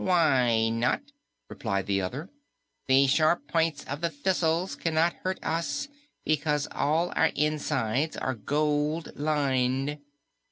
"Why not?" replied the other. "The sharp points of the thistles cannot hurt us, because all our insides are gold lined."